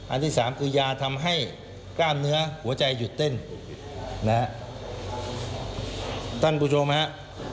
ที่สามคือยาทำให้กล้ามเนื้อหัวใจหยุดเต้นนะฮะท่านผู้ชมฮะ